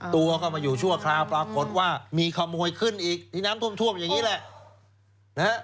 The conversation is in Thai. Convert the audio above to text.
ตัวก็มาอยู่ชั่วคราวปรากฏว่ามีขโมยขึ้นอีกที่น้ำท่วมอย่างนี้แหละนะฮะ